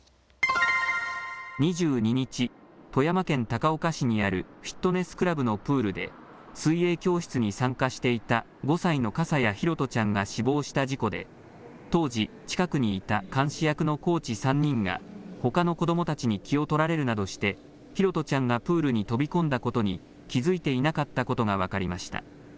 ２２日、富山県高岡市にあるフィットネスクラブのプールで水泳教室に参加していた５歳の笠谷拓杜ちゃんが死亡した事故で当時近くにいた監視役のコーチ３人がほかの子どもたちに気を取られるなどして拓杜ちゃんがプールに飛び込んだことに気付いていなかったことが分かりました。